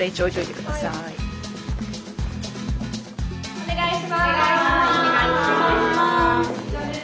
お願いします。